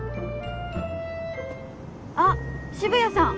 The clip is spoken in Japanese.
あっ渋谷さん！